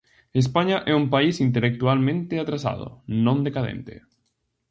España é un país intelectualmente atrasado, non decadente.